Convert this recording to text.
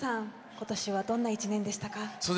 今年はどんな１年でしたか？